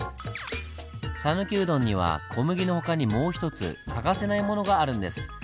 さぬきうどんには小麦の他にもう一つ欠かせないものがあるんです。